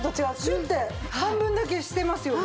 シュッて半分だけしてますよね。